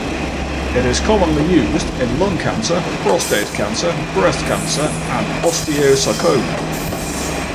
It is commonly used in lung cancer, prostate cancer, breast cancer, and osteosarcoma.